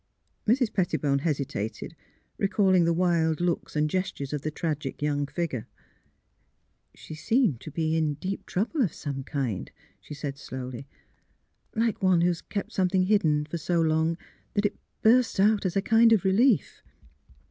" Mrs. Pettibone hesitated, recalling the wild looks and gestures of the tragic young figure. " She seemed to be in deep trouble of some kind," she said, slowly, *'— like one who has kept something hidden for so long, that it bursts out as a kind of relief."